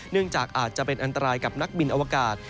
จากอาจจะเป็นอันตรายกับนักบินอวกาศ